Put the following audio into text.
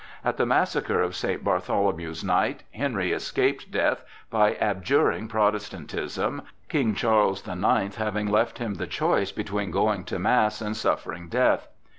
At the massacre of St. Bartholomew's night, Henry escaped death by abjuring Protestantism, King Charles the Ninth having left him the choice between going to mass and suffering death.